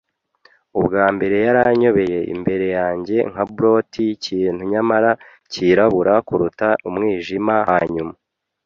Ubwa mbere yaranyobeye imbere yanjye nka blot yikintu nyamara cyirabura kuruta umwijima, hanyuma